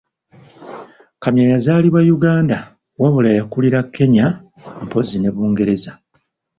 Kamya yazaalibwa Uganda wabula yakulira Kenya mpozi ne Bungereza